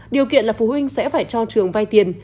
điều kiện là phụ huynh sẽ phải cho trường vay tiền